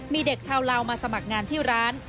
มีเด็กชาวลาวมาสมัครงานที่ร้าน